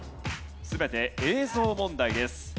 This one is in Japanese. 全て映像問題です。